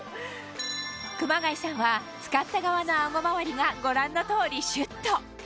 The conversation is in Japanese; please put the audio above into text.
熊谷さんは使った側の顎回りがご覧の通りシュっと！